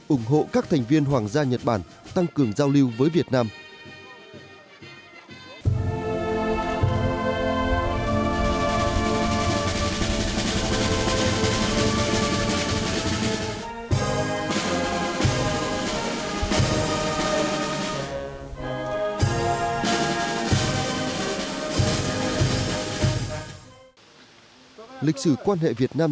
ủng hộ các thành viên hoàng gia nhật bản tăng cường giao lưu với việt nam